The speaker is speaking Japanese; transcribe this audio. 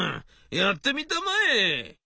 やってみたまえ！」。